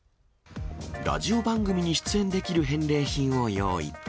ラジオ番組に出演できる返礼品を用意。